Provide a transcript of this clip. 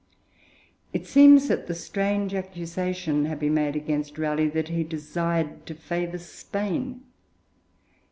"' It seems that the strange accusation had been made against Raleigh that he desired to favour Spain.